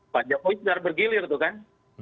pak jokowi secara bergilir itu kan